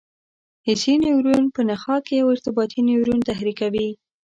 حسي نیورون په نخاع کې یو ارتباطي نیورون تحریکوي.